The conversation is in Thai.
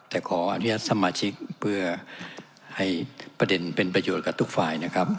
แต่ขออนุญาตสมาชิกเพื่อให้ประเด็นเป็นประโยชน์กับทุกฝ่ายนะครับ